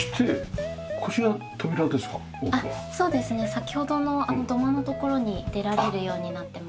先ほどの土間の所に出られるようになってます。